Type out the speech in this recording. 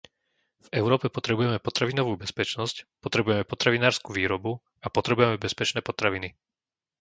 V Európe potrebujeme potravinovú bezpečnosť, potrebujeme potravinársku výrobu a potrebujeme bezpečné potraviny.